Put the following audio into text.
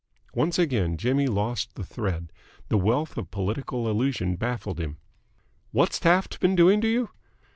Once again Jimmy lost the thread. The wealth of political allusion baffled him. "What's Taft been doing to you?"